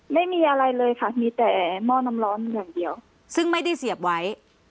ไม่มีอะไรเลยค่ะมีแต่หม้อน้ำร้อนอย่างเดียวซึ่งไม่ได้เสียบไว้